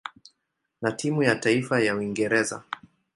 na timu ya taifa ya Uingereza.